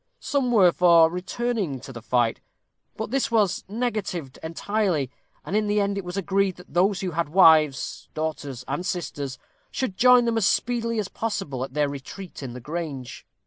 Some were for returning to the fight; but this was negatived entirely, and in the end it was agreed that those who had wives, daughters, and sisters, should join them as speedily as possible at their retreat in the Grange.